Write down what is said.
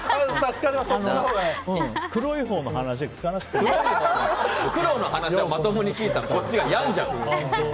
黒いほうの話は黒の話をまともに聞いたらこっちがやんじゃう。